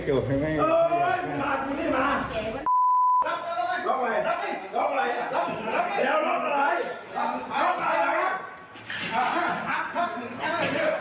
ใครทำอะไรกับผมบ้างสองชะโพงแล้วใครทำอะไรกับผมบ้าง